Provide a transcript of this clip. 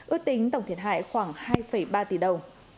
ước tính tổng thiệt hại khoảng hai ba tỷ đồng